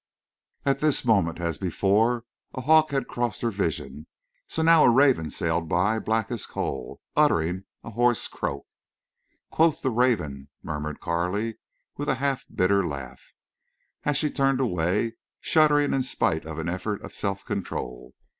At this moment, as before, a hawk had crossed her vision, so now a raven sailed by, black as coal, uttering a hoarse croak. "Quoth the raven—" murmured Carley, with a half bitter laugh, as she turned away shuddering in spite of an effort of self control.